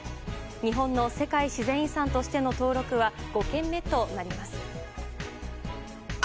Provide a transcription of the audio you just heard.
日本の世界自然遺産としての登録は５件目となります。